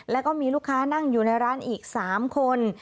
แล้วก็มีลูกค้านั่งอยู่ในร้านอีก๓คน